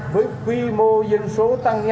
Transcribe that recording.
với quy mô dân số